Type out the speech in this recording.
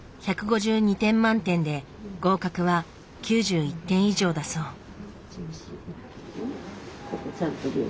１５２点満点で合格は９１点以上だそう。